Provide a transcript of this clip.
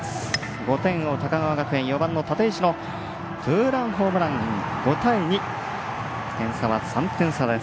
５点を追う高川学園、４番立石のツーランホームラン、５対２点差は３点差です。